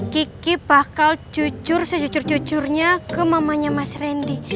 kiki bakal jujur sejujur jujurnya ke mamanya mas randy